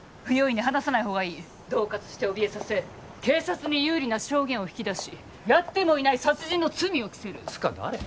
不用意に話さない方がいいどう喝しておびえさせ警察に有利な証言を引き出しやってもいない殺人の罪を着せるつうか誰？